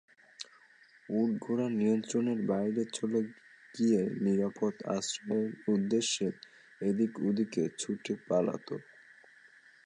উট-ঘোড়া নিয়ন্ত্রণের বাইরে চলে গিয়ে নিরাপদ আশ্রয়ের উদ্দেশে এদিক-ওদিক ছুটে পালাত।